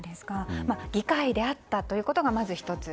議会であったということがまず１つ。